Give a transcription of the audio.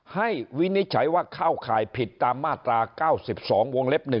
วินิจฉัยว่าเข้าข่ายผิดตามมาตรา๙๒วงเล็บ๑